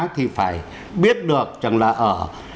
thì phải biết được chẳng là ở